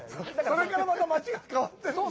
それからまた町が変わってるんだ。